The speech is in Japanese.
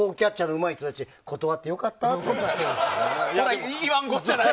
うまい人たち断ってよかったって思ってるよ。